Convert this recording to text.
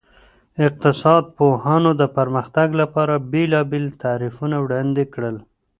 اقتصاد پوهانو د پرمختګ لپاره بېلابېل تعریفونه وړاندې کړل.